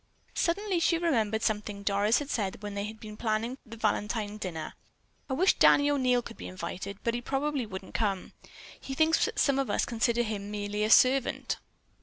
Suddenly she remembered something Doris had said when they had been planning the Valentine dinner: "I wish Danny O'Neil could be invited, but he probably wouldn't come. He thinks that some of us consider him merely a servant."